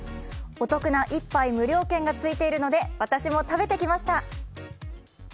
お得な１杯無料券がついているので私も食べてきました。